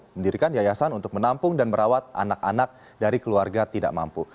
mendirikan yayasan untuk menampung dan merawat anak anak dari keluarga tidak mampu